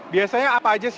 biasanya apa aja sih